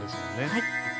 はい。